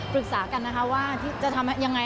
ปรึกษากันนะคะว่าจะทำยังไง